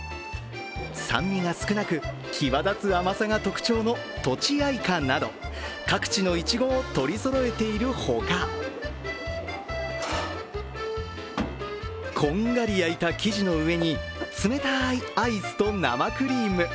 酸味が少なく、際立つ甘さが特徴のとちあいかなど各地のいちごを取りそろえているほかこんがり焼いた生地の上に冷たいアイスと生クリーム。